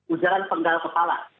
ujaran penggal kepala